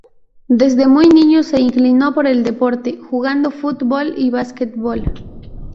Desde muy niño se inclinó por el deporte, jugando fútbol y basquetbol.